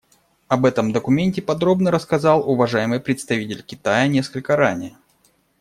Об этом документе подробно рассказал уважаемый представитель Китая несколько ранее.